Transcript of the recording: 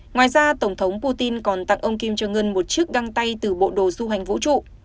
ngoài ra tổng thống putin còn tặng ông kim jong ngân một chiếc găng tay từ bộ đồ du hành vũ trụ